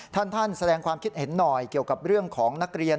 ท่านแสดงความคิดเห็นหน่อยเกี่ยวกับเรื่องของนักเรียน